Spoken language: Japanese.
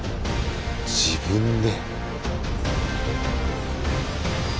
自分で。